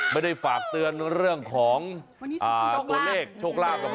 ไม่ได้ฝากเตือนเรื่องของตัวเลขโชคลาภหรอก